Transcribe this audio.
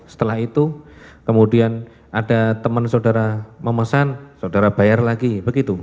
setelah itu kemudian ada teman saudara memesan saudara bayar lagi begitu